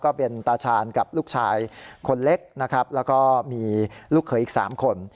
ก็เป็นตาชาญกับลูกชายคนเล็กนะครับแล้วก็มีลูกเขยอีก๓คน